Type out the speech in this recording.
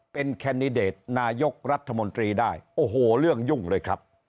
เป็นแคนดิเดตนายกรัฐมนตรีได้โอ้โหเรื่องยุ่งเลยครับ